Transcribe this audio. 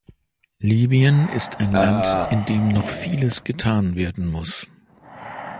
Libyen ist ein Land, in dem noch vieles getan werden muss.